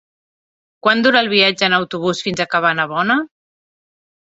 Quant dura el viatge en autobús fins a Cabanabona?